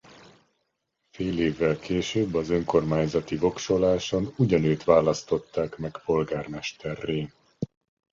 Fél évvel később az önkormányzati voksoláson ugyanőt választották meg polgármesterré.